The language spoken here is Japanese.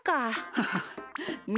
ハハッみ